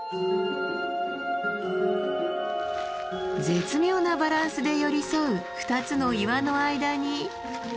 絶妙なバランスで寄り添う２つの岩の間に。